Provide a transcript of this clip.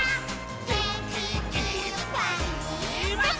「げんきいっぱいもっと」